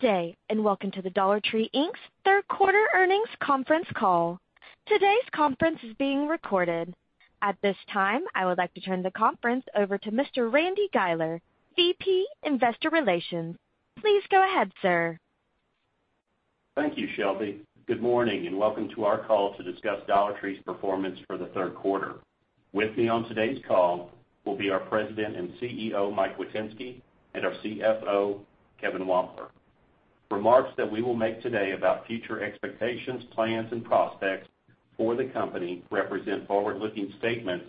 Good day. Welcome to the Dollar Tree, Inc.'s Third Quarter Earnings Conference Call. Today's conference is being recorded. At this time, I would like to turn the conference over to Mr. Randy Guiler, VP of Investor Relations. Please go ahead, sir. Thank you, Shelby. Good morning, and welcome to our call to discuss Dollar Tree's performance for the third quarter. With me on today's call will be our President and Chief Executive Officer, Mike Witynski, and our Chief Financial Officer, Kevin Wampler. Remarks that we will make today about future expectations, plans, and prospects for the company represent forward-looking statements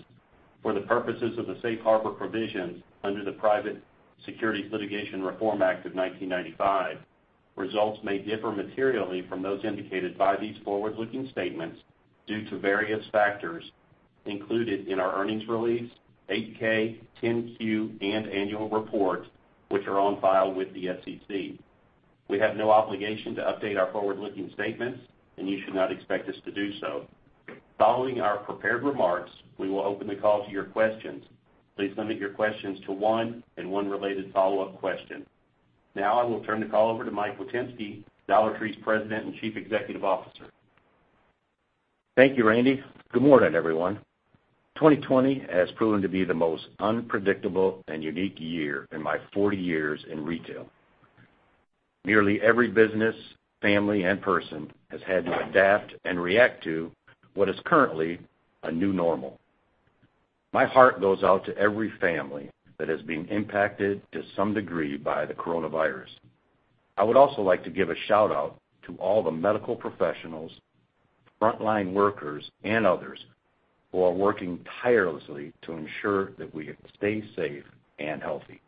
for the purposes of the safe harbor provisions under the Private Securities Litigation Reform Act of 1995. Results may differ materially from those indicated by these forward-looking statements due to various factors included in our earnings release, 8-K, 10-Q, and annual report, which are on file with the SEC. We have no obligation to update our forward-looking statements. You should not expect us to do so. Following our prepared remarks, we will open the call to your questions. Please limit your questions to one, and one related follow-up question. Now I will turn the call over to Mike Witynski, Dollar Tree's President and Chief Executive Officer. Thank you, Randy. Good morning, everyone. 2020 has proven to be the most unpredictable and unique year in my 40 years in retail. Nearly every business, family, and person has had to adapt and react to what is currently a new normal. My heart goes out to every family that has been impacted to some degree by the coronavirus. I would also like to give a shout-out to all the medical professionals, frontline workers, and others who are working tirelessly to ensure that we stay safe and healthy.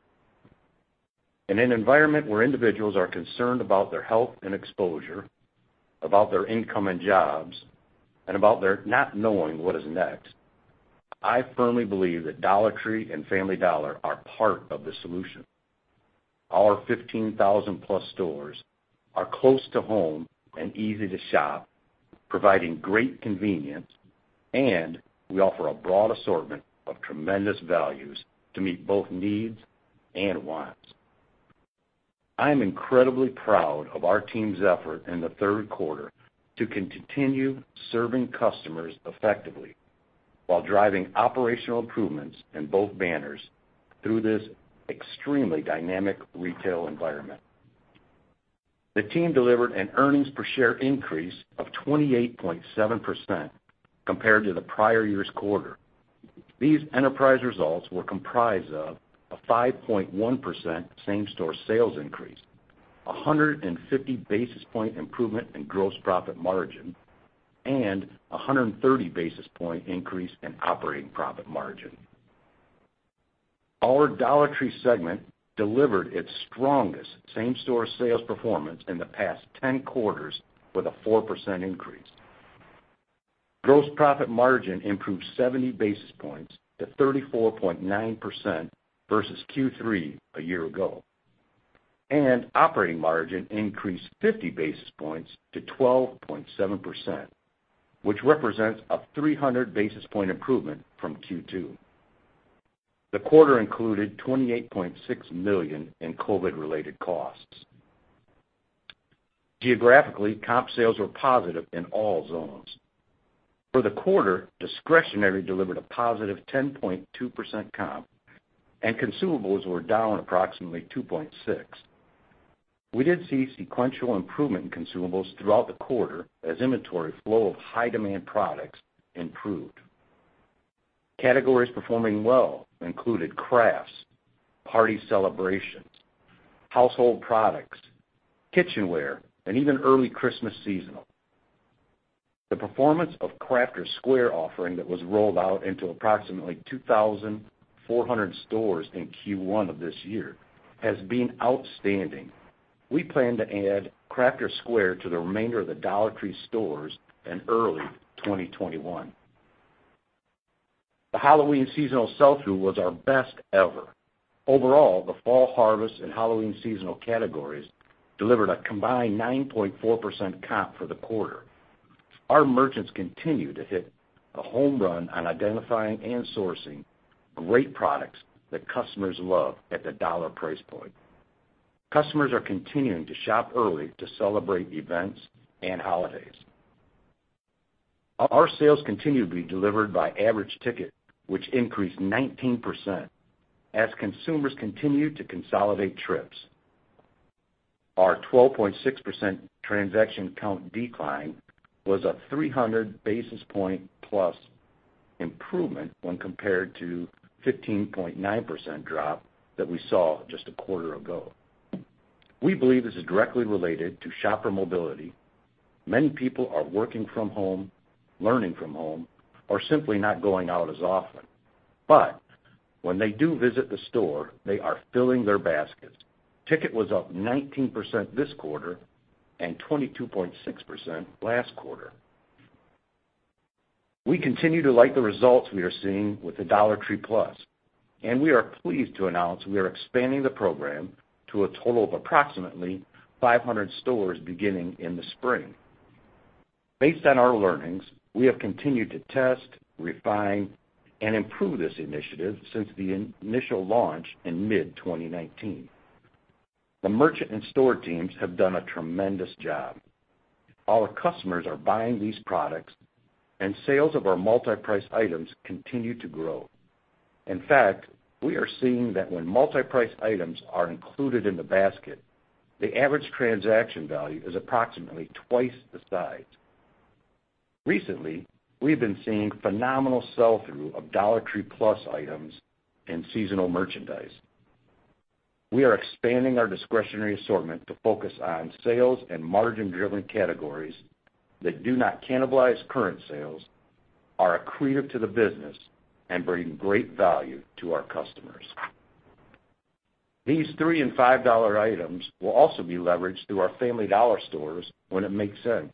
In an environment where individuals are concerned about their health and exposure, about their income and jobs, and about their not knowing what is next, I firmly believe that Dollar Tree and Family Dollar are part of the solution. Our 15,000+ stores are close to home and easy to shop, providing great convenience, and we offer a broad assortment of tremendous values to meet both needs and wants. I am incredibly proud of our team's effort in the third quarter to continue serving customers effectively while driving operational improvements in both banners through this extremely dynamic retail environment. The team delivered an earnings per share increase of 28.7% compared to the prior year's quarter. These enterprise results were comprised of a 5.1% same-store sales increase, 150 basis points improvement in gross profit margin, and 130 basis points increase in operating profit margin. Our Dollar Tree segment delivered its strongest same-store sales performance in the past 10 quarters with a 4% increase. Gross profit margin improved 70 basis points to 34.9% versus Q3 a year ago. Operating margin increased 50 basis points to 12.7%, which represents a 300 basis points improvement from Q2. The quarter included $28.6 million in COVID-related costs. Geographically, comp sales were positive in all zones. For the quarter, discretionary delivered a positive 10.2% comp, and consumables were down approximately 2.6%. We did see sequential improvement in consumables throughout the quarter as inventory flow of high-demand products improved. Categories performing well included crafts, party celebrations, household products, kitchenware, and even early Christmas seasonal. The performance of Crafter's Square offering that was rolled out into approximately 2,400 stores in Q1 of this year has been outstanding. We plan to add Crafter's Square to the remainder of the Dollar Tree stores in early 2021. The Halloween seasonal sell-through was our best ever. Overall, the fall harvest and Halloween seasonal categories delivered a combined 9.4% comp for the quarter. Our merchants continue to hit a home run on identifying and sourcing great products that customers love at the dollar price point. Customers are continuing to shop early to celebrate events and holidays. Our sales continue to be delivered by average ticket, which increased 19% as consumers continued to consolidate trips. Our 12.6% transaction count decline was a 300+ basis points improvement when compared to the 15.9% drop that we saw just a quarter ago. We believe this is directly related to shopper mobility. Many people are working from home, learning from home, or simply not going out as often. When they do visit the store, they are filling their baskets. Ticket was up 19% this quarter and 22.6% last quarter. We continue to like the results we are seeing with the Dollar Tree Plus, and we are pleased to announce we are expanding the program to a total of approximately 500 stores beginning in the spring. Based on our learnings, we have continued to test, refine, and improve this initiative since the initial launch in mid-2019. The merchant and store teams have done a tremendous job. Our customers are buying these products, and sales of our multi-priced items continue to grow. In fact, we are seeing that when multi-priced items are included in the basket, the average transaction value is approximately twice the size. Recently, we've been seeing phenomenal sell-through of Dollar Tree Plus items and seasonal merchandise. We are expanding our discretionary assortment to focus on sales and margin-driven categories that do not cannibalize current sales, are accretive to the business, and bring great value to our customers. These three and five dollar items will also be leveraged through our Family Dollar stores when it makes sense.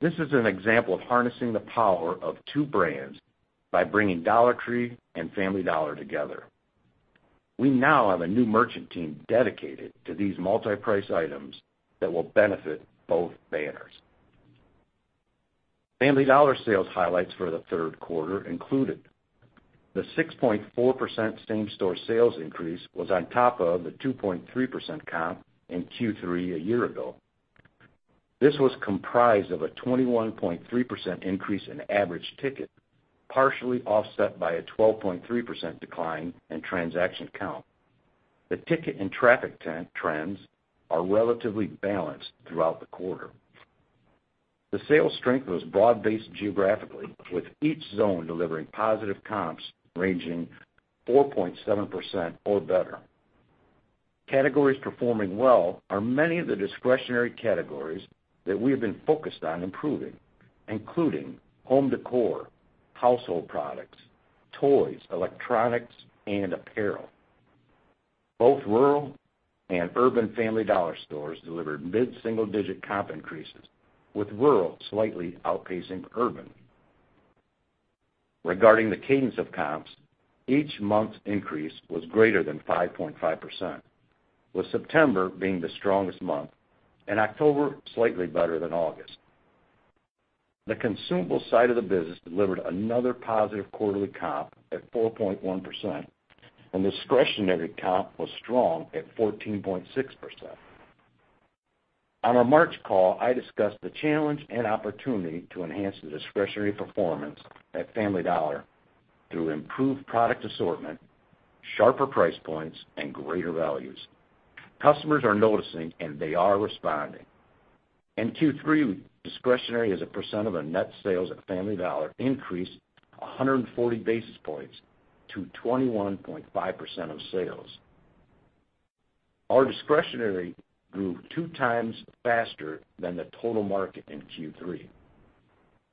This is an example of harnessing the power of two brands by bringing Dollar Tree and Family Dollar together. We now have a new merchant team dedicated to these multi-priced items that will benefit both banners. Family Dollar sales highlights for the third quarter included the 6.4% same-store sales increase was on top of the 2.3% comp in Q3 a year ago. This was comprised of a 21.3% increase in average ticket, partially offset by a 12.3% decline in transaction count. The ticket and traffic trends are relatively balanced throughout the quarter. The sales strength was broad-based geographically, with each zone delivering positive comps ranging 4.7% or better. Categories performing well are many of the discretionary categories that we have been focused on improving, including home decor, household products, toys, electronics, and apparel. Both rural and urban Family Dollar stores delivered mid-single-digit comp increases, with rural slightly outpacing urban. Regarding the cadence of comps, each month's increase was greater than 5.5%, with September being the strongest month and October slightly better than August. The consumable side of the business delivered another positive quarterly comp at 4.1%, and discretionary comp was strong at 14.6%. On our March call, I discussed the challenge and opportunity to enhance the discretionary performance at Family Dollar through improved product assortment, sharper price points, and greater values. Customers are noticing, and they are responding. In Q3, discretionary as a percent of the net sales at Family Dollar increased 140 basis points to 21.5% of sales. Our discretionary grew 2x faster than the total market in Q3.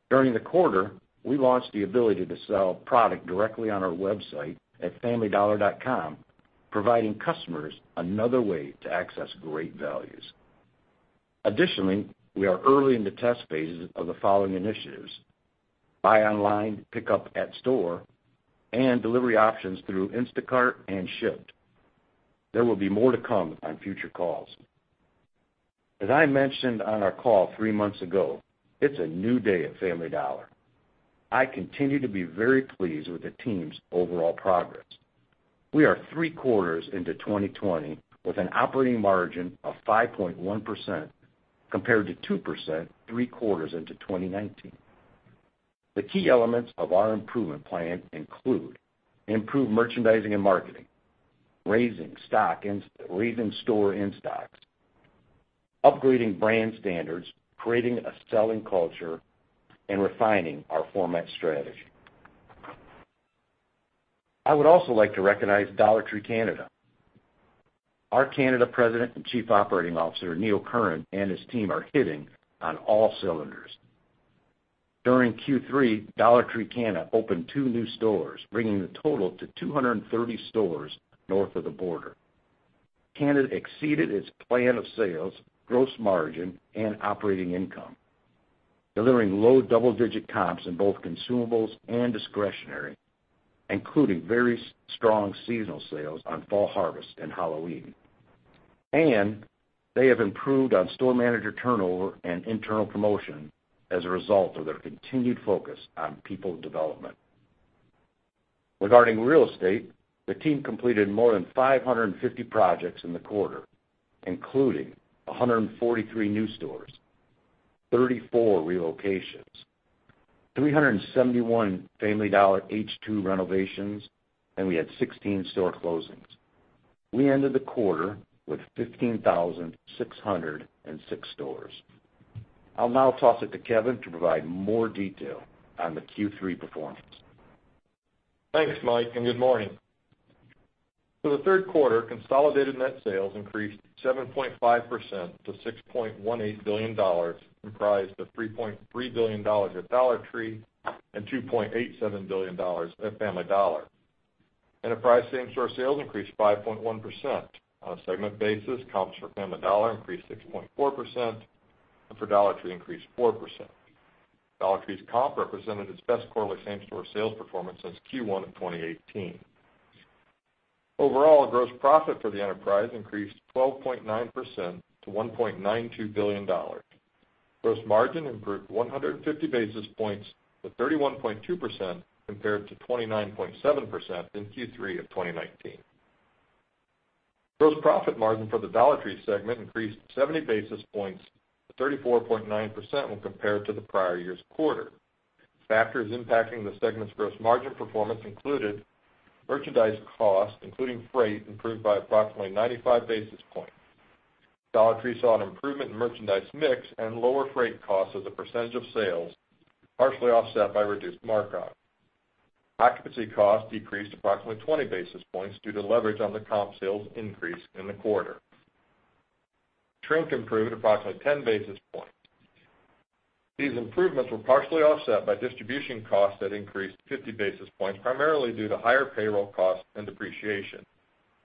During the quarter, we launched the ability to sell product directly on our website at familydollar.com, providing customers another way to access great values. Additionally, we are early in the test phases of the following initiatives, Buy Online, Pick-up In Store, and delivery options through Instacart and Shipt. There will be more to come on future calls. As I mentioned on our call three months ago, it's a new day at Family Dollar. I continue to be very pleased with the team's overall progress. We are three quarters into 2020 with an operating margin of 5.1% compared to 2%, three quarters into 2019. The key elements of our improvement plan include improved merchandising and marketing, raising store in-stocks, upgrading brand standards, creating a selling culture, and refining our format strategy. I would also like to recognize Dollar Tree Canada. Our Canada President and Chief Operating Officer, Neil Curran, and his team are hitting on all cylinders. During Q3, Dollar Tree Canada opened two new stores, bringing the total to 230 stores north of the border. Canada exceeded its plan of sales, gross margin, and operating income, delivering low double-digit comps in both consumables and discretionary, including very strong seasonal sales on fall harvest and Halloween. They have improved on store manager turnover and internal promotion as a result of their continued focus on people development. Regarding real estate, the team completed more than 550 projects in the quarter, including 143 new stores, 34 relocations, 371 Family Dollar H2 renovations, and we had 16 store closings. We ended the quarter with 15,606 stores. I'll now toss it to Kevin to provide more detail on the Q3 performance. Thanks, Mike, and good morning. For the third quarter, consolidated net sales increased 7.5% to $6.18 billion, comprised of $3.3 billion at Dollar Tree and $2.87 billion at Family Dollar. Enterprise same-store sales increased 5.1%. On a segment basis, comps for Family Dollar increased 6.4% and for Dollar Tree increased 4%. Dollar Tree's comp represented its best quarterly same-store sales performance since Q1 of 2018. Overall, gross profit for the enterprise increased 12.9% to $1.92 billion. Gross margin improved 150 basis points to 31.2% compared to 29.7% in Q3 of 2019. Gross profit margin for the Dollar Tree segment increased 70 basis points to 34.9% when compared to the prior year's quarter. Factors impacting the segment's gross margin performance included merchandise costs, including freight, improved by approximately 95 basis points. Dollar Tree saw an improvement in merchandise mix and lower freight costs as a percentage of sales, partially offset by reduced markup. Occupancy costs decreased approximately 20 basis points due to leverage on the comp sales increase in the quarter. Shrink improved approximately 10 basis points. These improvements were partially offset by distribution costs that increased 50 basis points, primarily due to higher payroll costs and depreciation.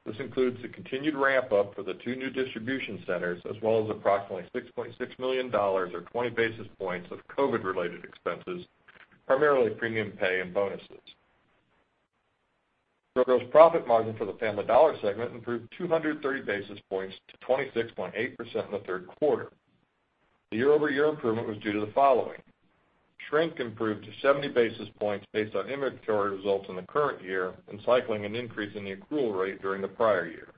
This includes the continued ramp-up for the two new distribution centers, as well as approximately $6.6 million or 20 basis points of COVID-related expenses, primarily premium pay and bonuses. The gross profit margin for the Family Dollar segment improved 230 basis points to 26.8% in the third quarter. The year-over-year improvement was due to the following. Shrink improved to 70 basis points based on inventory results in the current year and cycling an increase in the accrual rate during the prior year.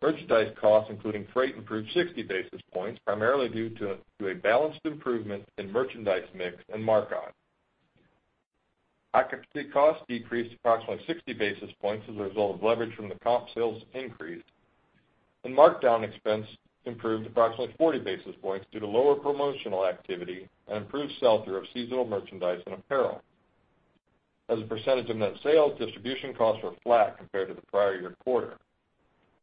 Merchandise costs, including freight, improved 60 basis points, primarily due to a balanced improvement in merchandise mix and markup. Occupancy costs decreased approximately 60 basis points as a result of leverage from the comp sales increase, and markdown expense improved approximately 40 basis points due to lower promotional activity and improved sell-through of seasonal merchandise and apparel. As a percentage of net sales, distribution costs were flat compared to the prior year quarter.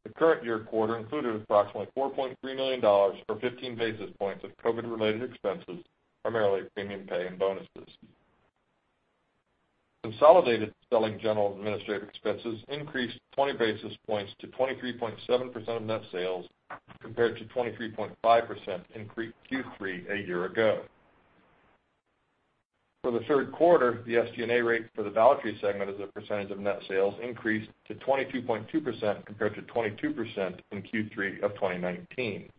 The current year quarter included approximately $4.3 million or 15 basis points of COVID-related expenses, primarily premium pay and bonuses. Consolidated selling, general, and administrative expenses increased 20 basis points to 23.7% of net sales compared to 23.5% in Q3 a year ago. For the third quarter, the SG&A rate for the Dollar Tree Segment as a percentage of net sales increased to 22.2% compared to 22% in Q3 of 2019.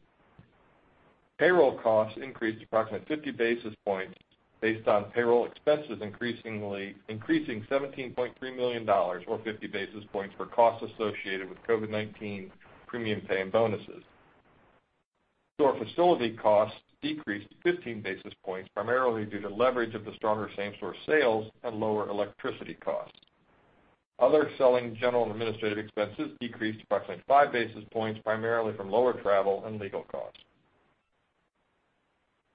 Payroll costs increased approximately 50 basis points based on payroll expenses increasing $17.3 million or 50 basis points for costs associated with COVID-19 premium pay and bonuses. Store facility costs decreased 15 basis points, primarily due to leverage of the stronger same-store sales and lower electricity costs. Other selling, general, and administrative expenses decreased approximately 5 basis points, primarily from lower travel and legal costs.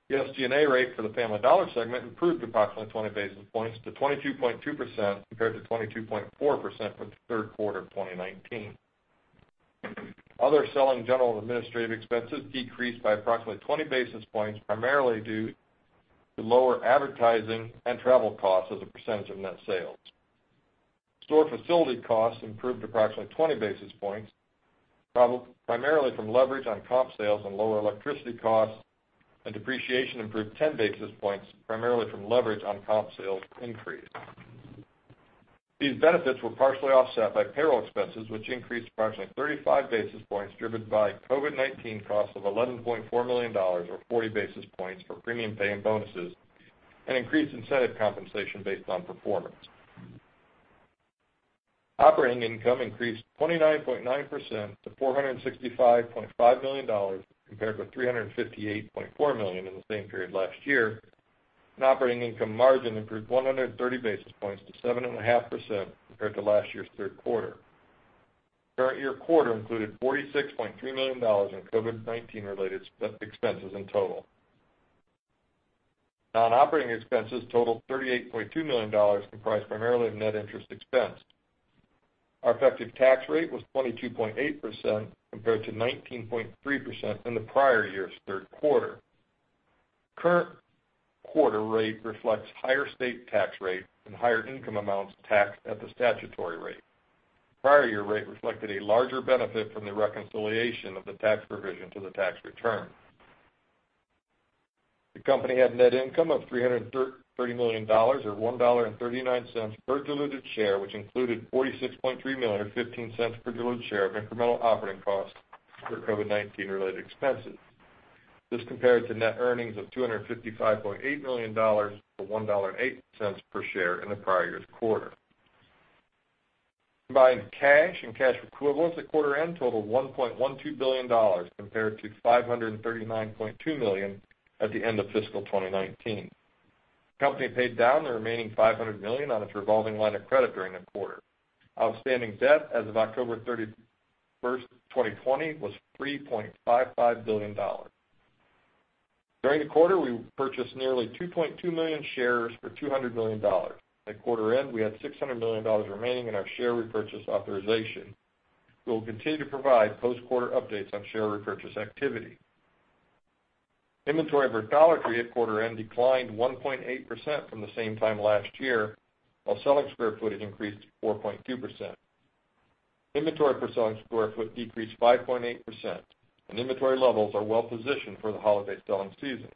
The SG&A rate for the Family Dollar segment improved approximately 20 basis points to 22.2% compared to 22.4% for the third quarter of 2019. Other selling, general, and administrative expenses decreased by approximately 20 basis points, primarily due to lower advertising and travel costs as a percentage of net sales. Store facility costs improved approximately 20 basis points, primarily from leverage on comp sales and lower electricity costs, and depreciation improved 10 basis points, primarily from leverage on comp sales increase. These benefits were partially offset by payroll expenses, which increased approximately 35 basis points, driven by COVID-19 costs of $11.4 million or 40 basis points for premium pay and bonuses, and increased incentive compensation based on performance. Operating income increased 29.9% to $465.5 million compared with $358.4 million in the same period last year, and operating income margin improved 130 basis points to 7.5% compared to last year's third quarter. Current year quarter included $46.3 million in COVID-19-related expenses in total. Non-operating expenses totaled $38.2 million, comprised primarily of net interest expense. Our effective tax rate was 22.8% compared to 19.3% in the prior year's third quarter. Current quarter rate reflects higher state tax rate and higher income amounts taxed at the statutory rate. Prior year rate reflected a larger benefit from the reconciliation of the tax provision to the tax return. The company had net income of $330 million, or $1.39 per diluted share, which included $46.3 million or $0.15 per diluted share of incremental operating costs for COVID-19-related expenses. This compared to net earnings of $255.8 million or $1.08 per share in the prior year's quarter. Combined cash and cash equivalents at quarter end totaled $1.12 billion compared to $539.2 million at the end of fiscal 2019. Company paid down the remaining $500 million on its revolving line of credit during the quarter. Outstanding debt as of October 31st, 2020, was $3.55 billion. During the quarter, we purchased nearly 2.2 million shares for $200 million. At quarter end, we had $600 million remaining in our share repurchase authorization. We'll continue to provide post-quarter updates on share repurchase activity. Inventory for Dollar Tree at quarter end declined 1.8% from the same time last year, while selling square footage increased 4.2%. Inventory per selling square foot decreased 5.8%, and inventory levels are well positioned for the holiday selling season.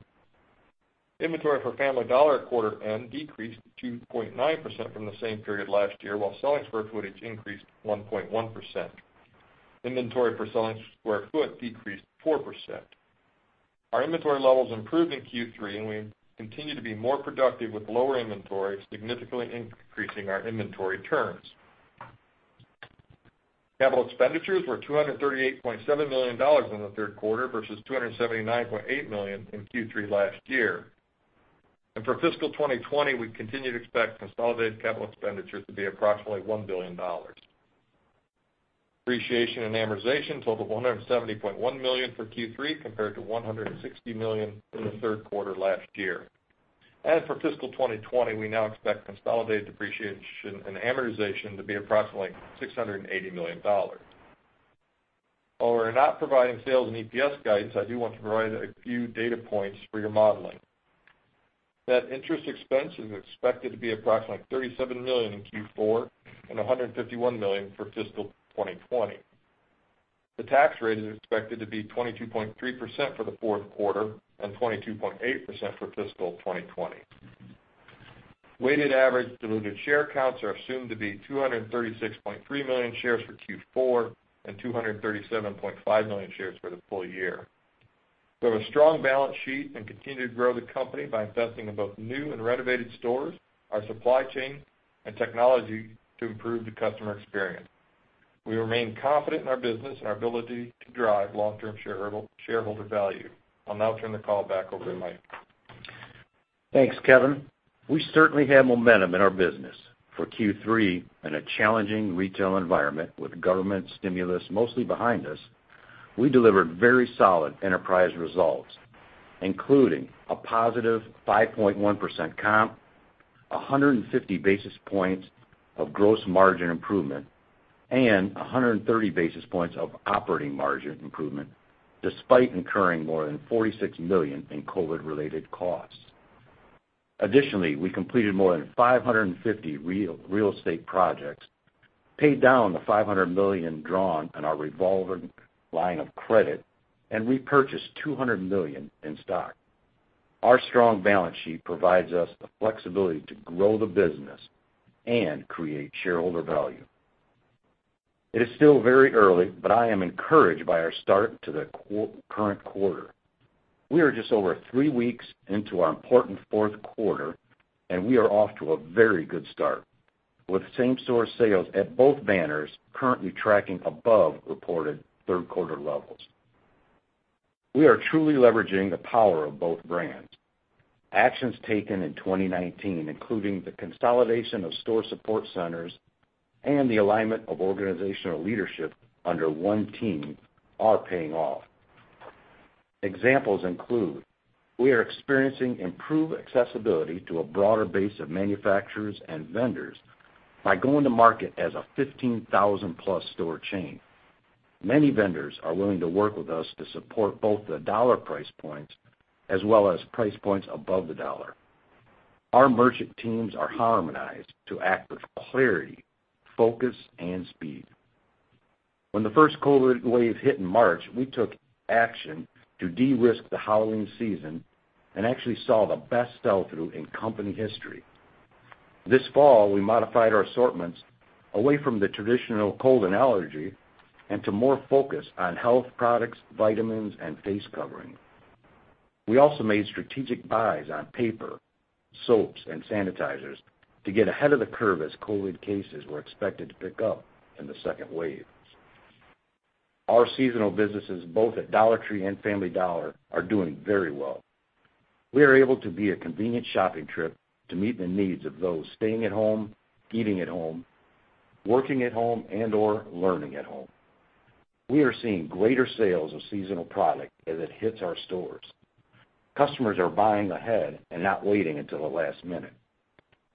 Inventory for Family Dollar at quarter end decreased 2.9% from the same period last year, while selling square footage increased 1.1%. Inventory per selling square foot decreased 4%. Our inventory levels improved in Q3, and we continue to be more productive with lower inventory, significantly increasing our inventory turns. Capital expenditures were $238.7 million in the third quarter versus $279.8 million in Q3 last year. For fiscal 2020, we continue to expect consolidated capital expenditures to be approximately $1 billion. Depreciation and amortization totaled $170.1 million for Q3, compared to $160 million in the third quarter last year. For fiscal 2020, we now expect consolidated depreciation and amortization to be approximately $680 million. While we're not providing sales and EPS guidance, I do want to provide a few data points for your modeling. Net interest expense is expected to be approximately $37 million in Q4 and $151 million for fiscal 2020. The tax rate is expected to be 22.3% for the fourth quarter and 22.8% for fiscal 2020. Weighted average diluted share counts are assumed to be 236.3 million shares for Q4 and 237.5 million shares for the full year. We have a strong balance sheet and continue to grow the company by investing in both new and renovated stores, our supply chain, and technology to improve the customer experience. We remain confident in our business and our ability to drive long-term shareholder value. I'll now turn the call back over to Mike Witynski. Thanks, Kevin. We certainly have momentum in our business. For Q3, in a challenging retail environment with government stimulus mostly behind us, we delivered very solid enterprise results, including a positive 5.1% comp, 150 basis points of gross margin improvement, and 130 basis points of operating margin improvement, despite incurring more than $46 million in COVID-related costs. Additionally, we completed more than 550 real estate projects, paid down the $500 million drawn on our revolving line of credit, and repurchased $200 million in stock. Our strong balance sheet provides us the flexibility to grow the business and create shareholder value. It is still very early, but I am encouraged by our start to the current quarter. We are just over three weeks into our important fourth quarter, and we are off to a very good start, with same-store sales at both banners currently tracking above reported third quarter levels. We are truly leveraging the power of both brands. Actions taken in 2019, including the consolidation of store support centers and the alignment of organizational leadership under one team, are paying off. Examples include, we are experiencing improved accessibility to a broader base of manufacturers and vendors by going to market as a 15,000+ store chain. Many vendors are willing to work with us to support both the dollar price points as well as price points above the dollar. Our merchant teams are harmonized to act with clarity, focus, and speed. When the first COVID wave hit in March, we took action to de-risk the Halloween season and actually saw the best sell-through in company history. This fall, we modified our assortments away from the traditional cold and allergy and to more focus on health products, vitamins, and face covering. We also made strategic buys on paper, soaps, and sanitizers to get ahead of the curve as COVID cases were expected to pick up in the second wave. Our seasonal businesses, both at Dollar Tree and Family Dollar, are doing very well. We are able to be a convenient shopping trip to meet the needs of those staying at home, eating at home, working at home, and/or learning at home. We are seeing greater sales of seasonal product as it hits our stores. Customers are buying ahead and not waiting until the last minute.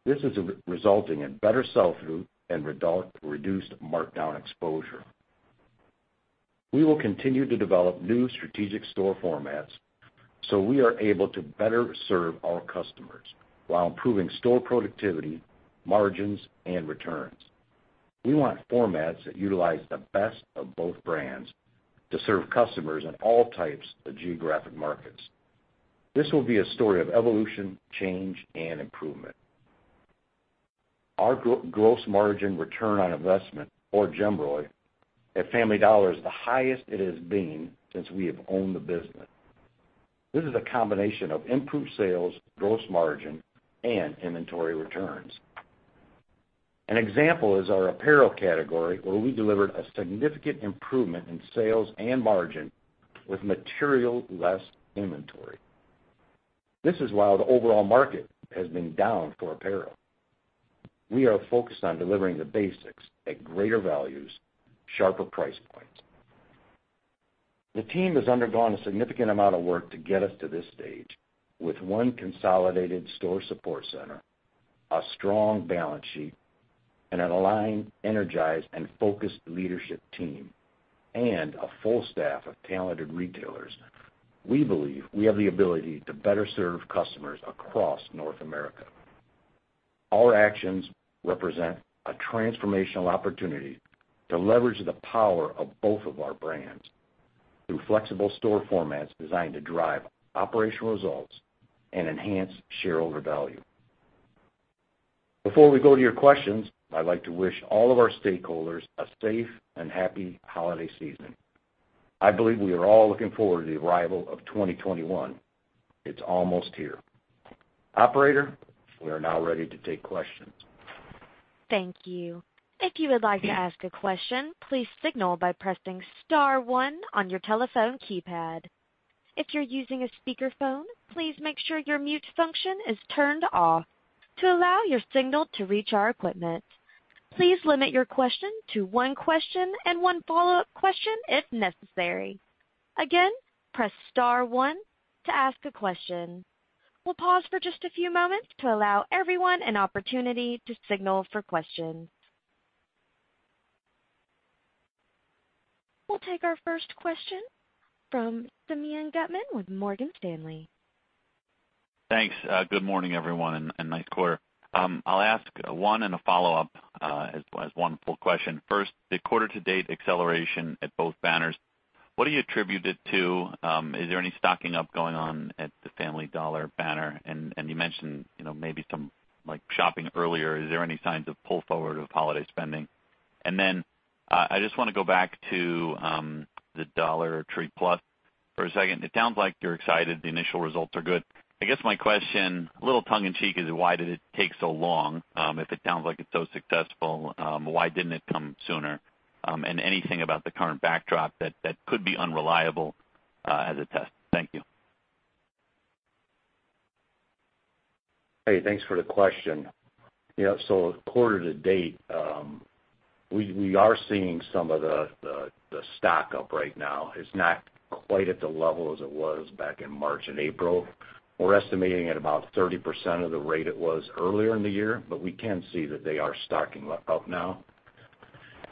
This is resulting in better sell-through and reduced markdown exposure. We will continue to develop new strategic store formats so we are able to better serve our customers while improving store productivity, margins, and returns. We want formats that utilize the best of both brands to serve customers in all types of geographic markets. This will be a story of evolution, change, and improvement. Our gross margin return on investment, or GMROI, at Family Dollar is the highest it has been since we have owned the business. This is a combination of improved sales, gross margin, and inventory returns. An example is our apparel category, where we delivered a significant improvement in sales and margin with materially less inventory. This is while the overall market has been down for apparel. We are focused on delivering the basics at greater values, sharper price points. The team has undergone a significant amount of work to get us to this stage. With one consolidated store support center, a strong balance sheet, and an aligned, energized, and focused leadership team, and a full staff of talented retailers, we believe we have the ability to better serve customers across North America. Our actions represent a transformational opportunity to leverage the power of both of our brands through flexible store formats designed to drive operational results and enhance shareholder value. Before we go to your questions, I'd like to wish all of our stakeholders a safe and happy holiday season. I believe we are all looking forward to the arrival of 2021. It's almost here. Operator, we are now ready to take questions. Thank you. If you would like to ask a question, please signal by pressing star one on your telephone keypad. If you're using a speakerphone, please make sure your mute function is turned off to allow your signal to reach our equipment. Please limit your question to one question and one follow-up question if necessary. Again, press star one to ask a question. We'll pause for just a few moments to allow everyone an opportunity to signal for questions. We'll take our first question from Simeon Gutman with Morgan Stanley. Thanks. Good morning, everyone, and nice quarter. I'll ask one and a follow-up as one full question. First, the quarter to date acceleration at both banners. What do you attribute it to? Is there any stocking up going on at the Family Dollar banner? You mentioned maybe some shopping earlier. Is there any signs of pull forward of holiday spending? Then, I just want to go back to the Dollar Tree Plus for a second. It sounds like you're excited the initial results are good. I guess my question, a little tongue in cheek, is why did it take so long? If it sounds like it's so successful, why didn't it come sooner? Anything about the current backdrop that could be unreliable as a test? Thank you. Hey, thanks for the question. Quarter to date, we are seeing some of the stock-up right now. It's not quite at the level as it was back in March and April. We're estimating at about 30% of the rate it was earlier in the year. We can see that they are stocking up now.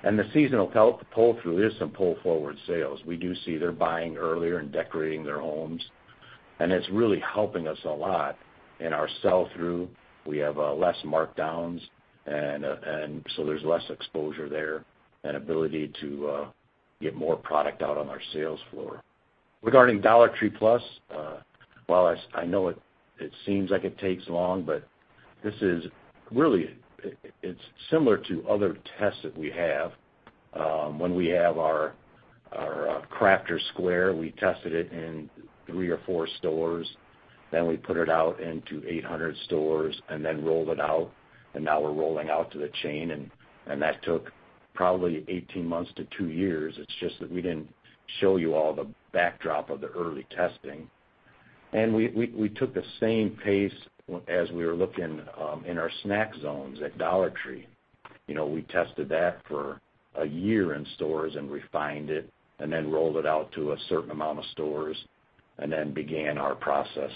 The seasonal pull through is some pull forward sales. We do see they're buying earlier and decorating their homes. It's really helping us a lot in our sell-through. We have less markdowns. There's less exposure there and ability to get more product out on our sales floor. Regarding Dollar Tree Plus, while I know it seems like it takes long, but this is really similar to other tests that we have. When we have our Crafter's Square, we tested it in three or four stores, then we put it out into 800 stores and then rolled it out, and now we're rolling out to the chain, and that took probably 18 months to two years. It's just that we didn't show you all the backdrop of the early testing. We took the same pace as we were looking in our snack zones at Dollar Tree. We tested that for a year in stores and refined it, and then rolled it out to a certain amount of stores, and then began our process.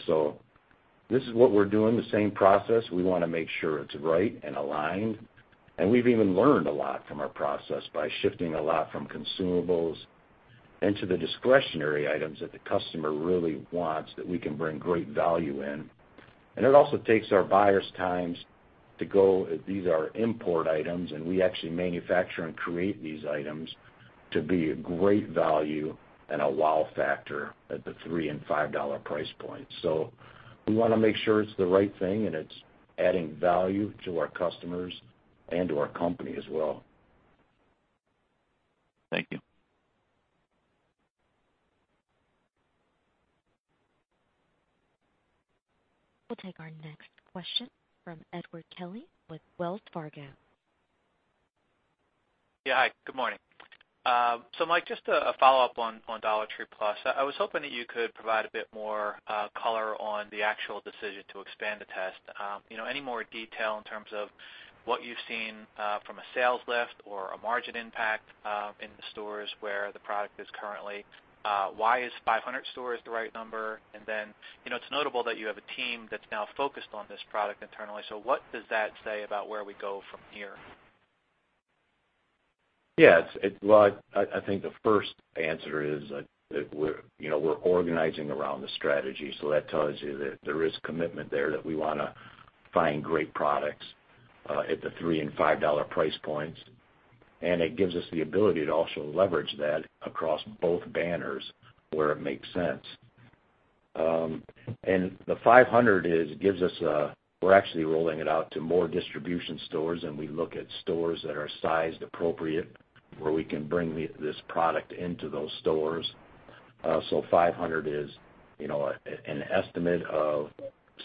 This is what we're doing, the same process. We want to make sure it's right and aligned. We've even learned a lot from our process by shifting a lot from consumables into the discretionary items that the customer really wants that we can bring great value in. It also takes our buyers times to go, these are import items, and we actually manufacture and create these items to be a great value and a wow factor at the three and five dollar price point. We want to make sure it's the right thing and it's adding value to our customers and to our company as well. Thank you. We'll take our next question from Edward Kelly with Wells Fargo. Yeah, hi. Good morning. Mike, just a follow-up on Dollar Tree Plus. I was hoping that you could provide a bit more color on the actual decision to expand the test. Any more detail in terms of what you've seen from a sales lift or a margin impact in the stores where the product is currently? Why is 500 stores the right number? It's notable that you have a team that's now focused on this product internally. What does that say about where we go from here? Yeah. I think the first answer is that we're organizing around the strategy. That tells you that there is commitment there that we want to find great products at the three and five dollar price points, and it gives us the ability to also leverage that across both banners where it makes sense. The 500 gives us we're actually rolling it out to more distribution stores, and we look at stores that are sized appropriate where we can bring this product into those stores. 500 is an estimate of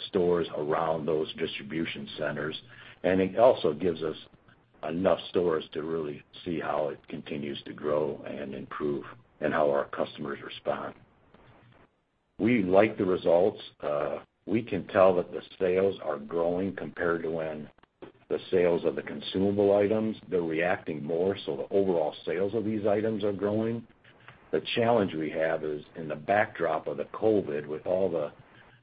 stores around those distribution centers, and it also gives us enough stores to really see how it continues to grow and improve and how our customers respond. We like the results. We can tell that the sales are growing compared to when the sales of the consumable items, they're reacting more. The overall sales of these items are growing. The challenge we have is in the backdrop of the COVID-19, with all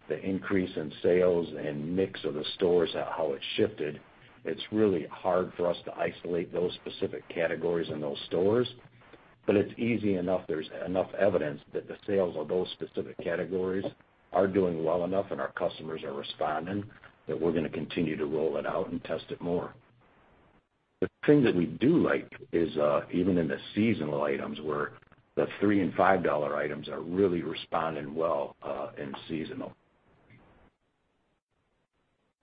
the increase in sales and mix of the stores, how it shifted, it's really hard for us to isolate those specific categories in those stores. It's easy enough, there's enough evidence that the sales of those specific categories are doing well enough, and our customers are responding, that we're going to continue to roll it out and test it more. The thing that we do like is, even in the seasonal items, where the $3 and $5 items are really responding well in seasonal.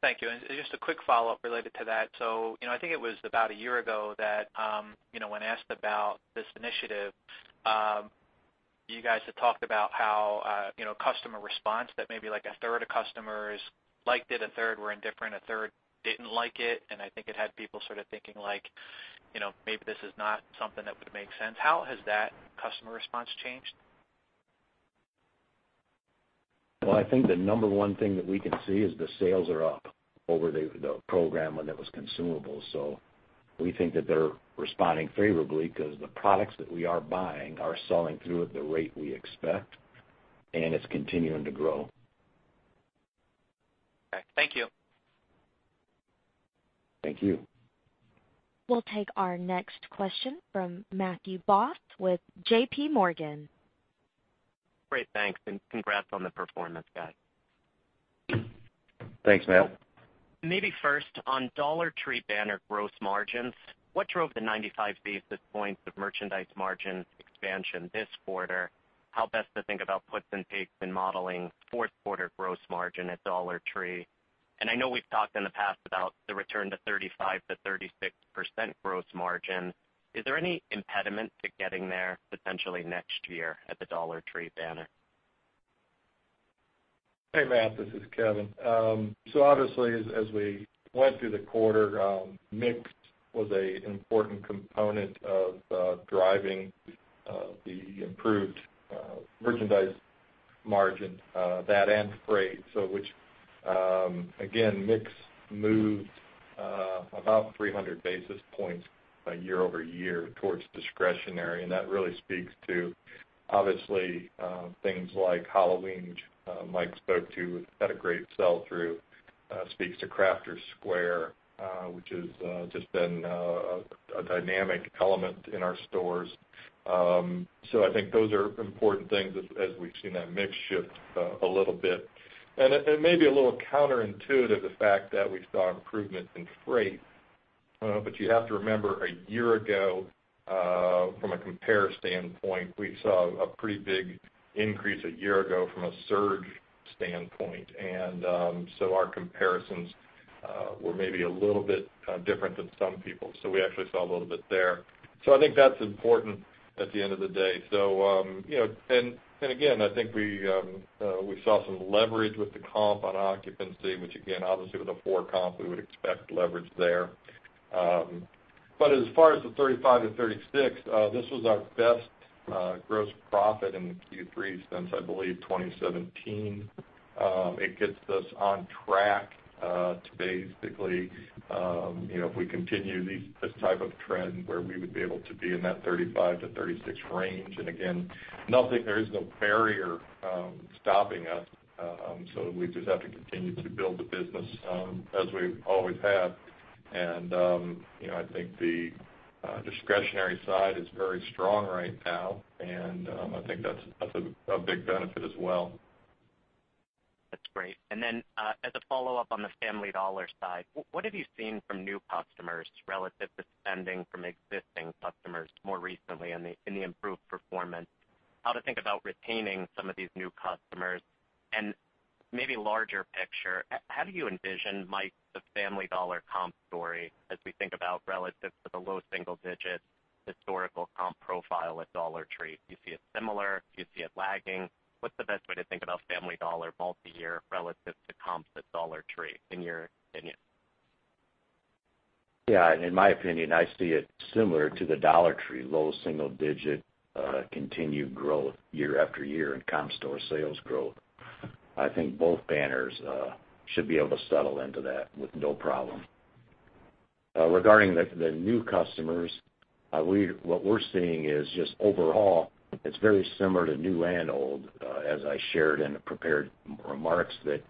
Thank you. Just a quick follow-up related to that. I think it was about one year ago that, when asked about this initiative, you guys had talked about how customer response, that maybe a third of customers liked it, a third were indifferent, a third didn't like it. I think it had people sort of thinking maybe this is not something that would make sense. How has that customer response changed? I think the number one thing that we can see is the sales are up over the program when it was consumable. We think that they're responding favorably because the products that we are buying are selling through at the rate we expect, and it's continuing to grow. Okay. Thank you. Thank you. We'll take our next question from Matt Boss with JPMorgan. Great, thanks, and congrats on the performance, guys. Thanks, Matt. Maybe first, on Dollar Tree banner gross margins, what drove the 95 basis points of merchandise margin expansion this quarter? How best to think about puts and takes in modeling fourth quarter gross margin at Dollar Tree? I know we've talked in the past about the return to 35%-36% gross margin. Is there any impediment to getting there potentially next year at the Dollar Tree banner? Hey, Matt, this is Kevin. Obviously, as we went through the quarter, mix was an important component of driving the improved merchandise margin, that and freight. Which, again, mix moved about 300 basis points year-over-year towards discretionary, and that really speaks to, obviously, things like Halloween, which Mike spoke to. We've had a great sell-through. Speaks to Crafter's Square, which has just been a dynamic element in our stores. I think those are important things as we've seen that mix shift a little bit. It may be a little counterintuitive, the fact that we saw improvements in freight. You have to remember, a year ago, from a compare standpoint, we saw a pretty big increase a year ago from a surge standpoint. Our comparisons were maybe a little bit different than some people. We actually saw a little bit there. I think that's important at the end of the day. Again, I think we saw some leverage with the comp on occupancy, which again, obviously with a four comp, we would expect leverage there. As far as the 35%-36%, this was our best gross profit in Q3 since, I believe, 2017. It gets us on track to basically, if we continue this type of trend where we would be able to be in that 35%-36% range. Again, there is no barrier stopping us. We just have to continue to build the business as we always have. I think the discretionary side is very strong right now, and I think that's a big benefit as well. That's great. As a follow-up on the Family Dollar side, what have you seen from new customers relative to spending from existing customers more recently in the improved performance? How do you think about retaining some of these new customers and maybe larger picture, how do you envision, Mike, the Family Dollar comp story as we think about relative to the low single digits historical comp profile at Dollar Tree? Do you see it similar? Do you see it lagging? What's the best way to think about Family Dollar multi-year relative to comps at Dollar Tree in your opinion? Yeah, in my opinion, I see it similar to the Dollar Tree, low single digit continued growth year after year in comp store sales growth. I think both banners should be able to settle into that with no problem. Regarding the new customers, what we're seeing is just overall, it's very similar to new and old, as I shared in the prepared remarks, that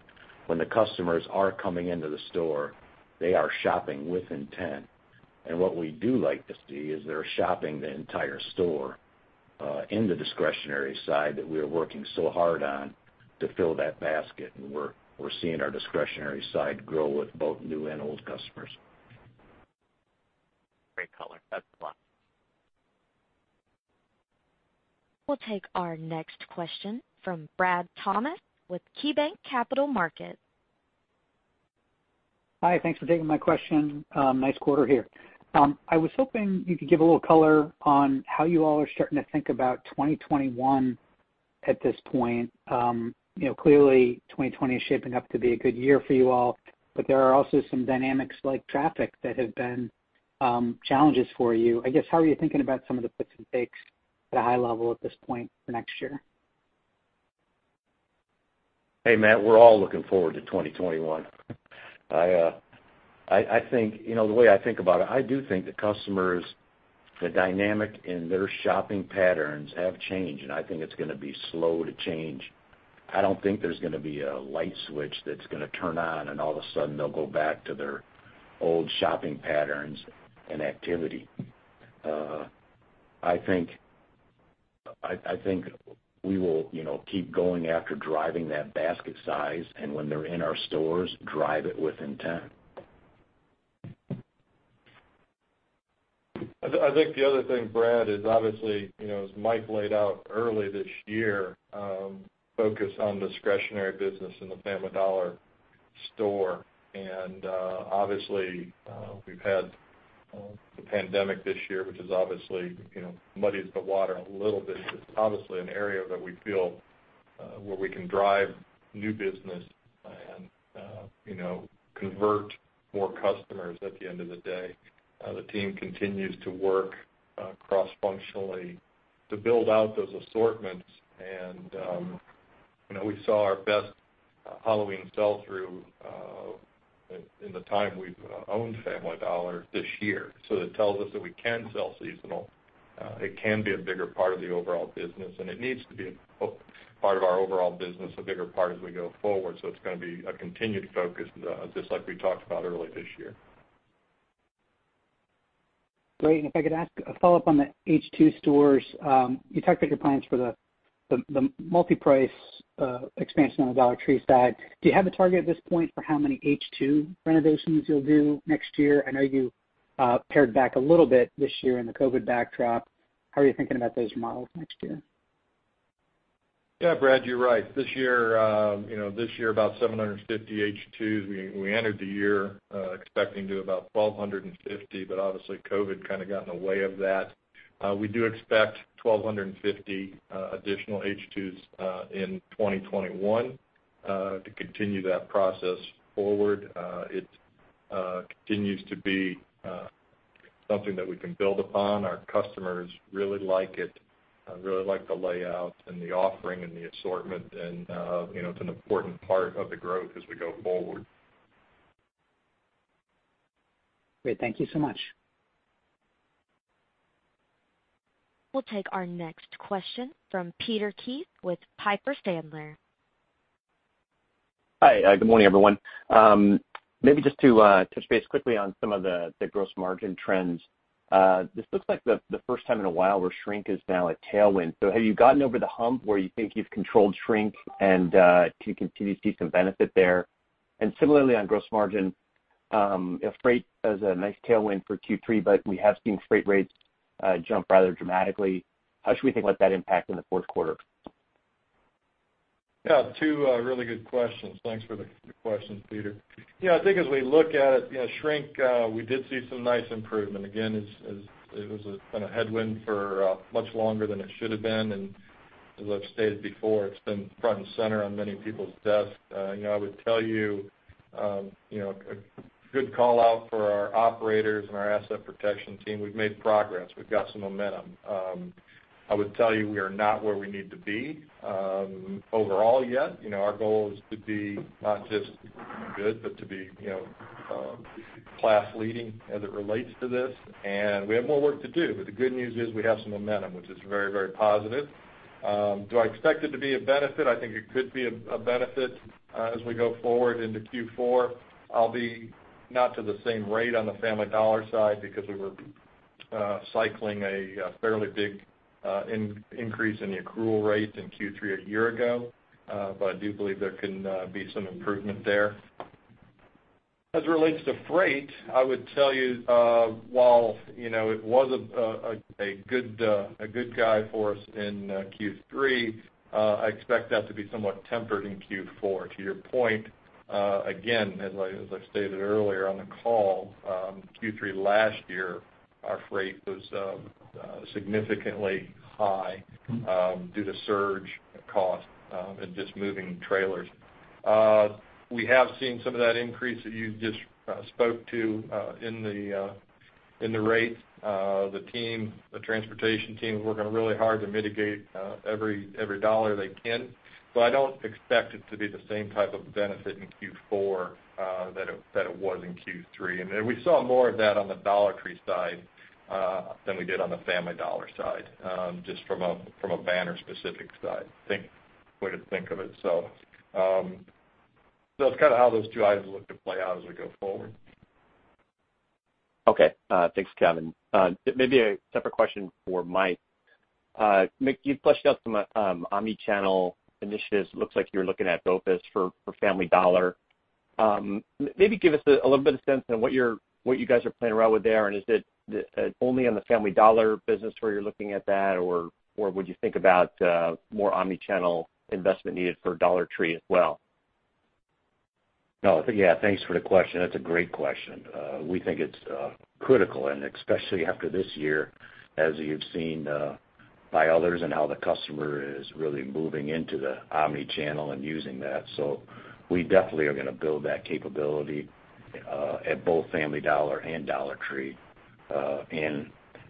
when the customers are coming into the store, they are shopping with intent. What we do like to see is they're shopping the entire store in the discretionary side that we are working so hard on to fill that basket, and we're seeing our discretionary side grow with both new and old customers. Great color. That's a lot. We'll take our next question from Brad Thomas with KeyBanc Capital Markets. Hi, thanks for taking my question. Nice quarter here. I was hoping you could give a little color on how you all are starting to think about 2021 at this point. Clearly, 2020 is shaping up to be a good year for you all, but there are also some dynamics like traffic that have been challenges for you. I guess, how are you thinking about some of the puts and takes at a high level at this point for next year? Hey, Brad, we're all looking forward to 2021. The way I think about it, I do think the customers, the dynamic in their shopping patterns have changed. I think it's going to be slow to change. I don't think there's going to be a light switch that's going to turn on. All of a sudden they'll go back to their old shopping patterns and activity. I think we will keep going after driving that basket size. When they're in our stores, drive it with intent. I think the other thing, Brad, is obviously, as Mike laid out early this year, focus on discretionary business in the Family Dollar store. Obviously, we've had the pandemic this year, which obviously muddies the water a little bit. It's obviously an area that we feel where we can drive new business and convert more customers at the end of the day. The team continues to work cross-functionally to build out those assortments. We saw our best Halloween sell-through in the time we've owned Family Dollar this year. That tells us that we can sell seasonal. It can be a bigger part of the overall business, and it needs to be a part of our overall business, a bigger part as we go forward. It's going to be a continued focus, just like we talked about earlier this year. Great. If I could ask a follow-up on the H2 stores. You talked about your plans for the multi-price expansion on the Dollar Tree side. Do you have a target at this point for how many H2 renovations you'll do next year? I know you paired back a little bit this year in the COVID backdrop. How are you thinking about those models next year? Yeah, Brad, you're right. This year, about 750 H2s. We entered the year expecting to do about 1,250, but obviously COVID kind of got in the way of that. We do expect 1,250 additional H2s in 2021 to continue that process forward. It continues to be something that we can build upon. Our customers really like it, really like the layout and the offering and the assortment. It's an important part of the growth as we go forward. Great. Thank you so much. We'll take our next question from Peter Keith with Piper Sandler. Hi, good morning, everyone. Maybe just to touch base quickly on some of the gross margin trends. This looks like the first time in a while where shrink is now a tailwind. Have you gotten over the hump where you think you've controlled shrink and do you continue to see some benefit there? Similarly, on gross margin, freight as a nice tailwind for Q3, but we have seen freight rates jump rather dramatically. How should we think about that impact in the fourth quarter? Yeah, two really good questions. Thanks for the questions, Peter. I think as we look at it, shrink, we did see some nice improvement. Again, it was a headwind for much longer than it should have been, and as I've stated before, it's been front and center on many people's desks. I would tell you, a good call out for our operators and our asset protection team. We've made progress. We've got some momentum. I would tell you, we are not where we need to be overall yet. Our goal is to be not just good, but to be class leading as it relates to this, and we have more work to do. The good news is we have some momentum, which is very positive. Do I expect it to be a benefit? I think it could be a benefit as we go forward into Q4. I'll be not to the same rate on the Family Dollar side because we were cycling a fairly big increase in the accrual rate in Q3 a year ago. I do believe there can be some improvement there. As it relates to freight, I would tell you, while it was a good guy for us in Q3, I expect that to be somewhat tempered in Q4. To your point, again, as I stated earlier on the call, Q3 last year, our freight was significantly high due to surge cost and just moving trailers. We have seen some of that increase that you just spoke to in the rates. The transportation team is working really hard to mitigate every dollar they can, but I don't expect it to be the same type of benefit in Q4 that it was in Q3. We saw more of that on the Dollar Tree side than we did on the Family Dollar side, just from a banner specific side way to think of it. It's kind of how those two items look to play out as we go forward. Okay. Thanks, Kevin. Maybe a separate question for Mike. Mike, you've fleshed out some omnichannel initiatives. Looks like you're looking at BOPIS for Family Dollar. Maybe give us a little bit of sense on what you guys are playing around with there, and is it only on the Family Dollar business where you're looking at that, or would you think about more omnichannel investment needed for Dollar Tree as well? Yeah. Thanks for the question. That's a great question. We think it's critical, and especially after this year, as you've seen by others and how the customer is really moving into the omnichannel and using that. We definitely are going to build that capability at both Family Dollar and Dollar Tree.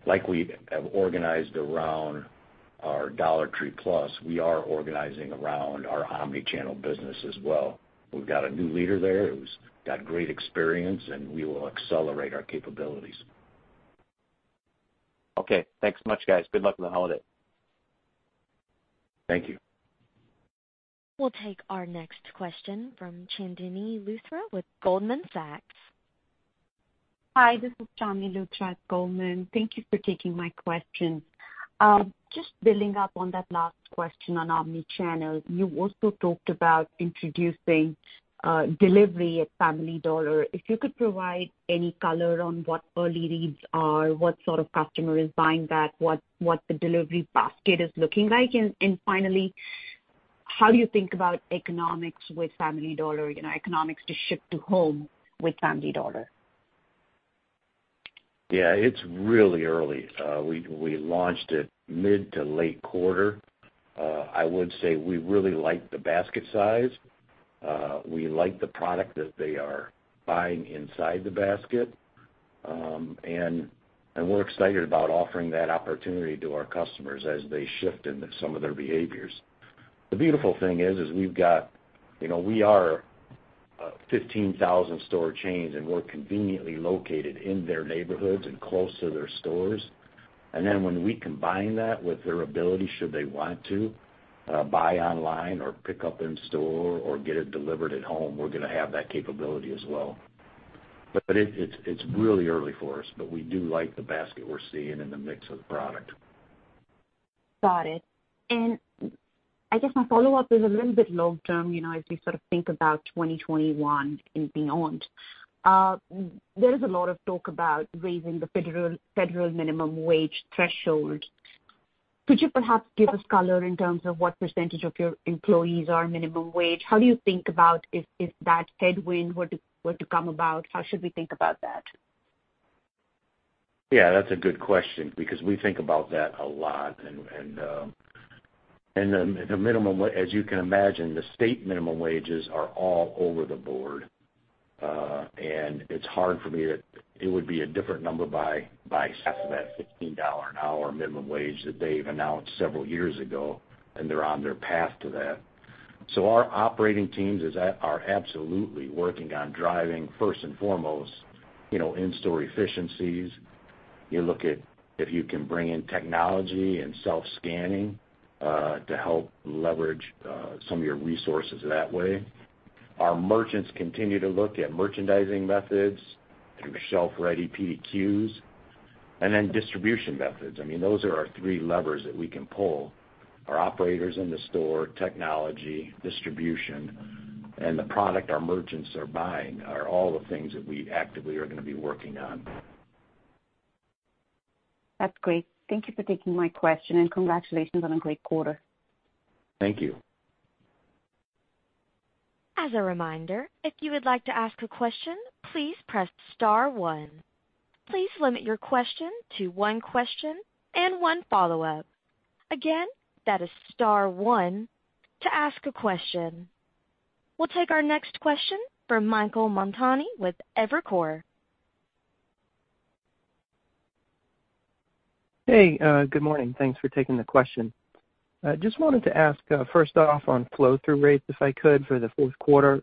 Like we have organized around our Dollar Tree Plus, we are organizing around our omnichannel business as well. We've got a new leader there who's got great experience, and we will accelerate our capabilities. Okay. Thanks so much, guys. Good luck on the holiday. Thank you. We'll take our next question from Chandni Luthra with Goldman Sachs. Hi, this is Chandni Luthra at Goldman. Thank you for taking my question. Just building up on that last question on omnichannel, you also talked about introducing delivery at Family Dollar. If you could provide any color on what early reads are, what sort of customer is buying that, what the delivery basket is looking like, and finally, how you think about economics with Family Dollar, economics to ship to home with Family Dollar. Yeah. It's really early. We launched it mid to late quarter. I would say we really like the basket size. We like the product that they are buying inside the basket. We're excited about offering that opportunity to our customers as they shift in some of their behaviors. The beautiful thing is, we are a 15,000 store chain, and we're conveniently located in their neighborhoods and close to their stores. When we combine that with their ability, should they want to, buy online or pick up in store or get it delivered at home, we're going to have that capability as well. It's really early for us, but we do like the basket we're seeing and the mix of the product. Got it. I guess my follow-up is a little bit long-term, as we sort of think about 2021 and beyond. There is a lot of talk about raising the federal minimum wage threshold. Could you perhaps give us color in terms of what percentage of your employees are minimum wage? How do you think about if that headwind were to come about, how should we think about that? Yeah, that's a good question, because we think about that a lot. As you can imagine, the state minimum wages are all over the board. It would be a different number by that $15 an hour minimum wage that they've announced several years ago, and they're on their path to that. Our operating teams are absolutely working on driving first and foremost, in-store efficiencies. You look at if you can bring in technology and self-scanning to help leverage some of your resources that way. Our merchants continue to look at merchandising methods through shelf-ready Product Displayed Quickly, and then distribution methods. Those are our three levers that we can pull. Our operators in the store, technology, distribution, and the product our merchants are buying are all the things that we actively are going to be working on. That's great. Thank you for taking my question, and congratulations on a great quarter. Thank you. As a reminder, if you would like to ask a question, please press star one. Please limit your question to one question and one follow-up. Again, that is star one to ask a question. We'll take our next question from Michael Montani with Evercore ISI. Hey, good morning. Thanks for taking the question. Just wanted to ask, first off, on flow-through rates, if I could, for the fourth quarter.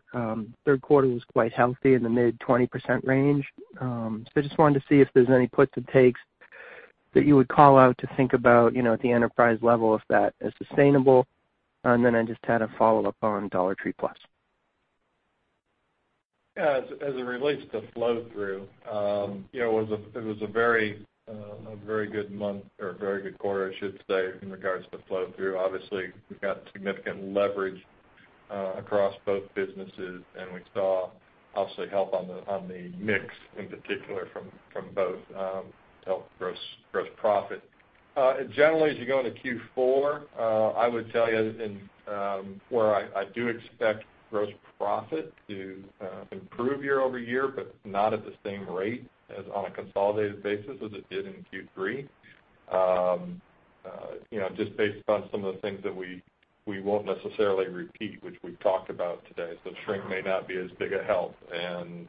Third quarter was quite healthy in the mid 20% range. I just wanted to see if there's any puts and takes that you would call out to think about at the enterprise level if that is sustainable. I just had a follow-up on Dollar Tree Plus. Yeah. As it relates to flow through, it was a very good month or a very good quarter, I should say, in regards to flow through. Obviously, we got significant leverage across both businesses, and we saw obviously help on the mix in particular from both helped gross profit. Generally, as you go into Q4, I would tell you where I do expect gross profit to improve year-over-year, but not at the same rate as on a consolidated basis as it did in Q3. Just based upon some of the things that we won't necessarily repeat, which we've talked about today. Shrink may not be as big a help, and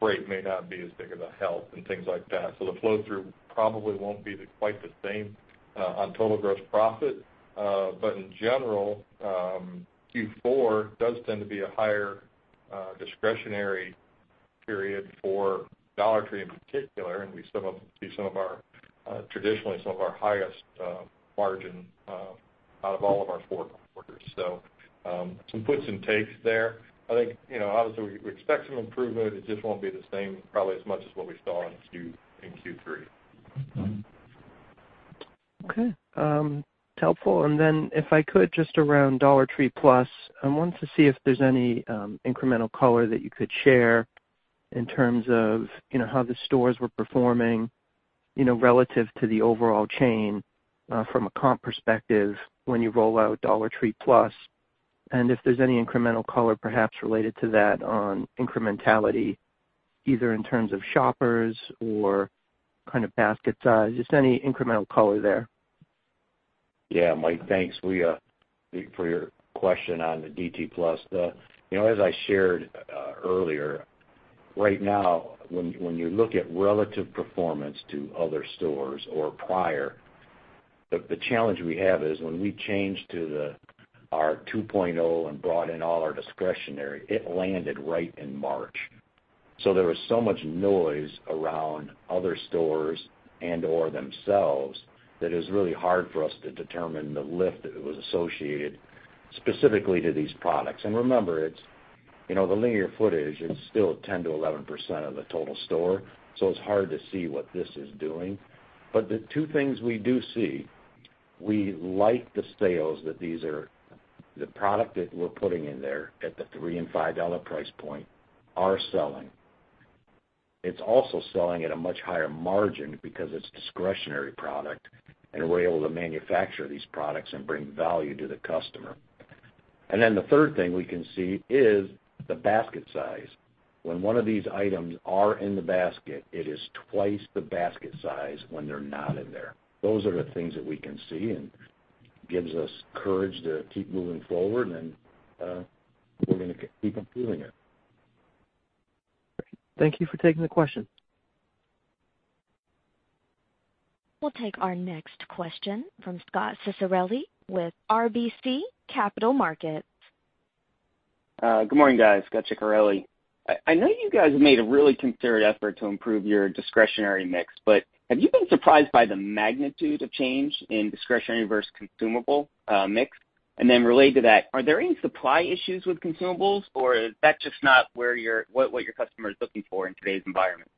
freight may not be as big of a help and things like that. The flow through probably won't be quite the same on total gross profit. In general, Q4 does tend to be a higher discretionary period for Dollar Tree in particular, and we see traditionally some of our highest margin out of all of our four quarters. Some puts and takes there. I think, obviously, we expect some improvement. It just won't be the same, probably as much as what we saw in Q3. Okay. Helpful. If I could, just around Dollar Tree Plus, I wanted to see if there's any incremental color that you could share in terms of how the stores were performing relative to the overall chain from a comp perspective when you roll out Dollar Tree Plus. If there's any incremental color perhaps related to that on incrementality, either in terms of shoppers or kind of basket size, just any incremental color there. Yeah, Mike, thanks for your question on the DT Plus. As I shared earlier, right now, when you look at relative performance to other stores or The challenge we have is when we changed to our 2.0 and brought in all our discretionary, it landed right in March. There was so much noise around other stores and/or themselves that it was really hard for us to determine the lift that was associated specifically to these products. Remember, the linear footage is still 10%-11% of the total store, so it's hard to see what this is doing. The two things we do see, we like the sales that the product that we're putting in there at the $3 and $5 price point are selling. It's also selling at a much higher margin because it's discretionary product, and we're able to manufacture these products and bring value to the customer. The third thing we can see is the basket size. When one of these items are in the basket, it is twice the basket size when they're not in there. Those are the things that we can see, and it gives us courage to keep moving forward, and we're going to keep improving it. Great. Thank you for taking the question. We'll take our next question from Scot Ciccarelli with RBC Capital Markets. Good morning, guys. Scot Ciccarelli. I know you guys have made a really concerted effort to improve your discretionary mix, have you been surprised by the magnitude of change in discretionary versus consumable mix? Related to that, are there any supply issues with consumables, or is that just not what your customer is looking for in today's environment?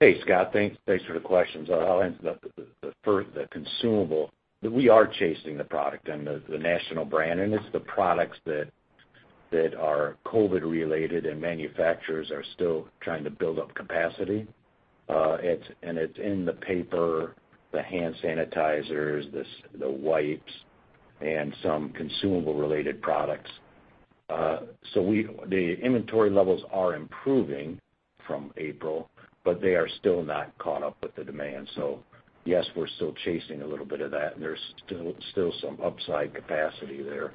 Hey, Scot. Thanks for the questions. I'll answer the first, the consumable. We are chasing the product and the national brand. It's the products that are COVID related and manufacturers are still trying to build up capacity. It's in the paper, the hand sanitizers, the wipes, and some consumable related products. The inventory levels are improving from April. They are still not caught up with the demand. Yes, we're still chasing a little bit of that, and there's still some upside capacity there.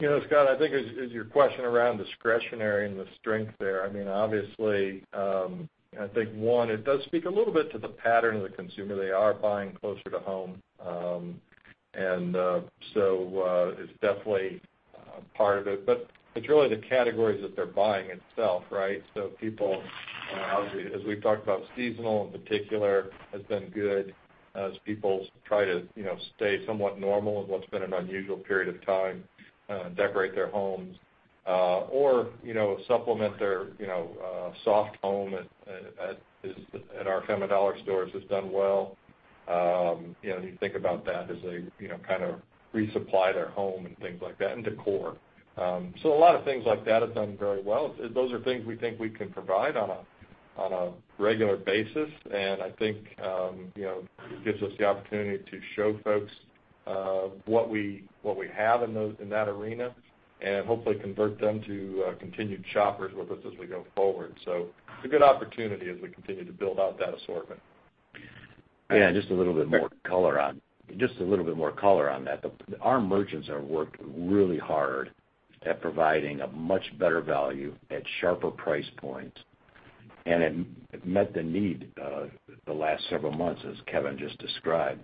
Scot, I think as your question around discretionary and the strength there, obviously, I think one, it does speak a little bit to the pattern of the consumer. They are buying closer to home. It's definitely part of it, but it's really the categories that they're buying itself, right? People, obviously, as we've talked about, seasonal in particular has been good as people try to stay somewhat normal in what's been an unusual period of time, decorate their homes, or supplement their soft home at our Family Dollar stores has done well. You think about that as they kind of resupply their home and things like that, and decor. A lot of things like that have done very well. Those are things we think we can provide on a regular basis, and I think it gives us the opportunity to show folks what we have in that arena and hopefully convert them to continued shoppers with us as we go forward. It's a good opportunity as we continue to build out that assortment. Yeah, just a little bit more color on that. Our merchants have worked really hard at providing a much better value at sharper price points, and it met the need the last several months, as Kevin just described.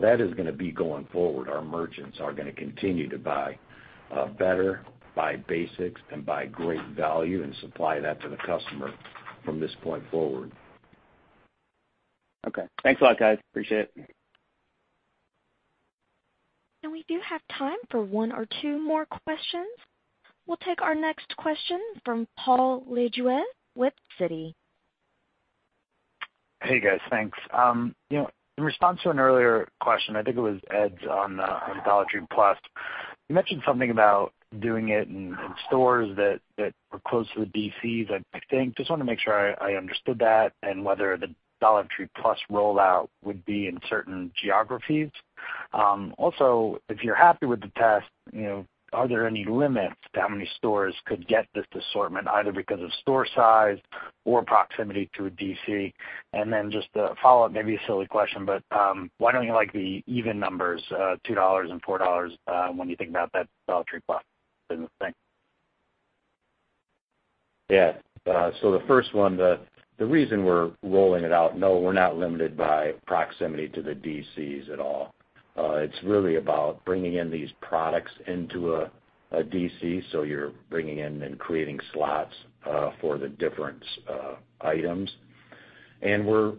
That is going to be going forward. Our merchants are going to continue to buy better, buy basics, and buy great value and supply that to the customer from this point forward. Okay. Thanks a lot, guys. Appreciate it. We do have time for one or two more questions. We'll take our next question from Paul Lejuez with Citi. Hey, guys. Thanks. In response to an earlier question, I think it was Ed's on Dollar Tree Plus, you mentioned something about doing it in stores that were close to the DCs, I think. Just want to make sure I understood that and whether the Dollar Tree Plus rollout would be in certain geographies. Also, if you're happy with the test, are there any limits to how many stores could get this assortment, either because of store size or proximity to a DC? Just a follow-up, maybe a silly question, but why don't you like the even numbers, $2 and $4, when you think about that Dollar Tree Plus business thing? Yeah. The first one, the reason we're rolling it out, no, we're not limited by proximity to the DCs at all. It's really about bringing in these products into a DC, so you're bringing in and creating slots for the different items. We're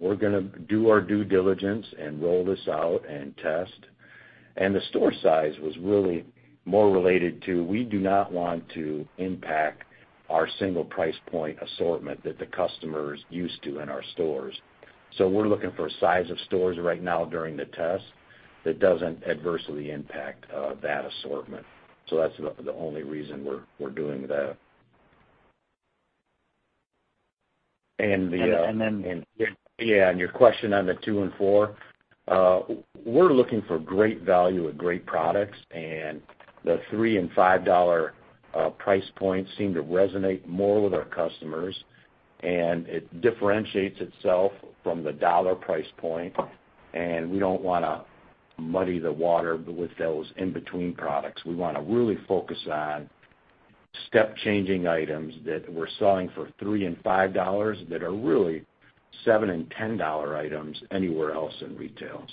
going to do our due diligence and roll this out and test. The store size was really more related to we do not want to impact our single price point assortment that the customer's used to in our stores. We're looking for size of stores right now during the test that doesn't adversely impact that assortment. That's the only reason we're doing that. Yeah, your question on the $2 and $4, we're looking for great value and great products, and the $3 and $5 price points seem to resonate more with our customers, and it differentiates itself from the dollar price point, and we don't want to muddy the water with those in-between products. We want to really focus on step-changing items that we're selling for $3 and $5 that are really $7 and $10 items anywhere else in retail.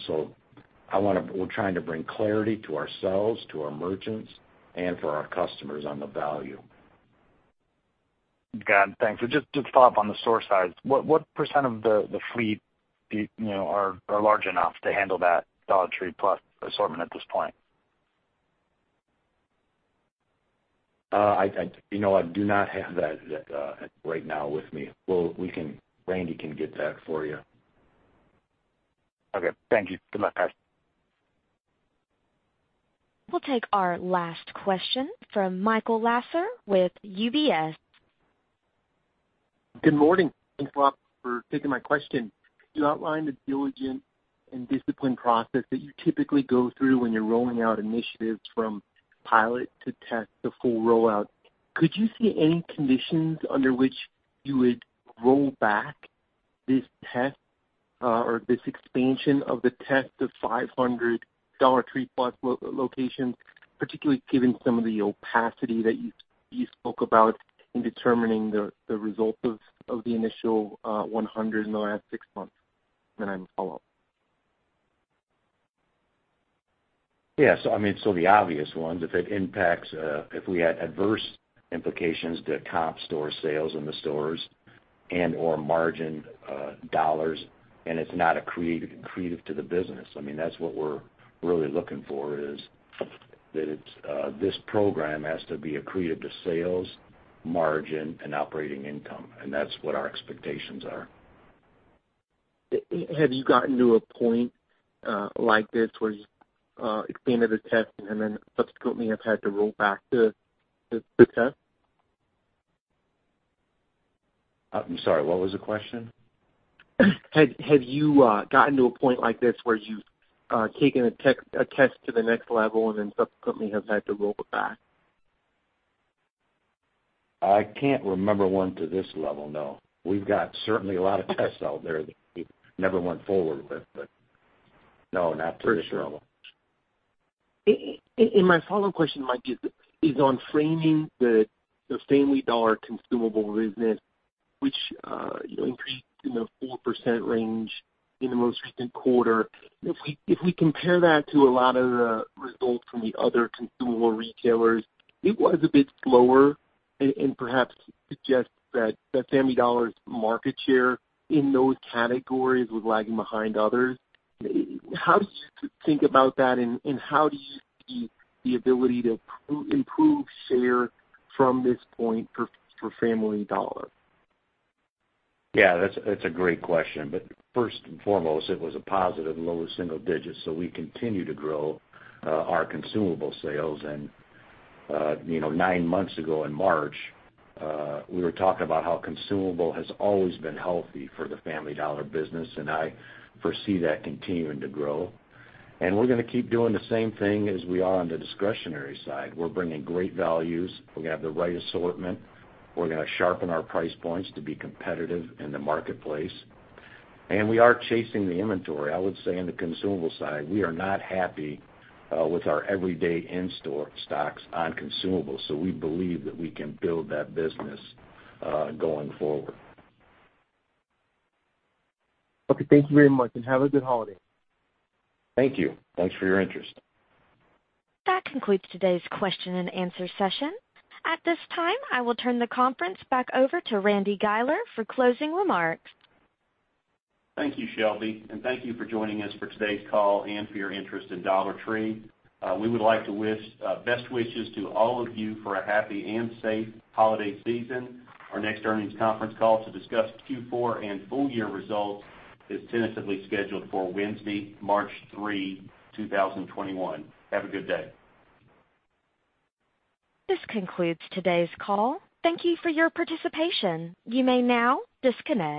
We're trying to bring clarity to ourselves, to our merchants, and for our customers on the value. Got it. Thanks. Just to follow up on the store size. What percent of the fleet are large enough to handle that Dollar Tree Plus assortment at this point? I do not have that right now with me. Randy can get that for you. Okay. Thank you. Good luck, guys. We'll take our last question from Michael Lasser with UBS. Good morning. Thanks a lot for taking my question. Could you outline the diligent and disciplined process that you typically go through when you're rolling out initiatives from pilot to test to full rollout? Could you see any conditions under which you would roll back this test, or this expansion of the test of 500 Dollar Tree Plus locations, particularly given some of the opacity that you spoke about in determining the results of the initial 100 in the last six months? I have a follow-up. Yeah. The obvious ones, if it impacts, if we had adverse implications to comp store sales in the stores and/or margin dollars and it's not accretive to the business. That's what we're really looking for, is that this program has to be accretive to sales, margin, and operating income, and that's what our expectations are. Have you gotten to a point like this where you've expanded a test and then subsequently have had to roll back the test? I'm sorry, what was the question? Have you gotten to a point like this where you've taken a test to the next level and then subsequently have had to roll it back? I can't remember one to this level, no. We've got certainly a lot of tests out there that we never went forward with, but no, not to this level. For sure. My follow-up question, Mike, is on framing the Family Dollar consumable business, which increased in the 4% range in the most recent quarter. If we compare that to a lot of the results from the other consumable retailers, it was a bit slower and perhaps suggests that Family Dollar's market share in those categories was lagging behind others. How do you think about that, and how do you see the ability to improve share from this point for Family Dollar? Yeah, that's a great question. First and foremost, it was a positive low single digits, so we continue to grow our consumable sales. Nine months ago in March, we were talking about how consumable has always been healthy for the Family Dollar business, and I foresee that continuing to grow. We're going to keep doing the same thing as we are on the discretionary side. We're bringing great values. We have the right assortment. We're going to sharpen our price points to be competitive in the marketplace. We are chasing the inventory. I would say on the consumable side, we are not happy with our everyday in-store stocks on consumables, so we believe that we can build that business going forward. Okay. Thank you very much, and have a good holiday. Thank you. Thanks for your interest. That concludes today's question and answer session. At this time, I will turn the conference back over to Randy Guiler for closing remarks. Thank you, Shelby, and thank you for joining us for today's call and for your interest in Dollar Tree. We would like to wish best wishes to all of you for a happy and safe holiday season. Our next earnings conference call to discuss Q4 and full year results is tentatively scheduled for Wednesday, March 3, 2021. Have a good day. This concludes today's call. Thank you for your participation. You may now disconnect.